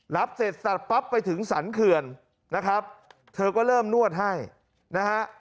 รับเสร็จสับปั๊บไปถึงสรรเขื่อนนะครับเธอก็เริ่มนวดให้นะฮะ